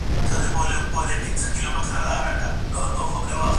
په لاس خط لیکل د لوستل سوي متن د هضمولو لاره ده.